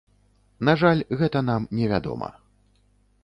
На жаль, гэта нам невядома.